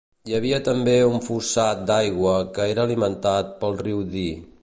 Hi havia també un fossat d'aigua que era alimentat pel riu Dee.